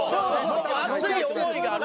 熱い思いがあるから。